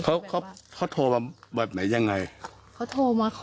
เขาโทรมาอะไรยังไงเขาโทรมาข่วงอะค่ะ